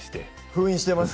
封印しています。